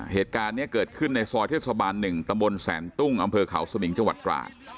เหตุการณ์นี้เกิดขึ้นในซอยเทศบาล๑ตำบลแสนตุ้งอำเภอเขาสมิงจังหวัดตราด